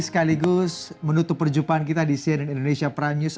sekaligus menutup perjumpaan kita di cnn indonesia prime news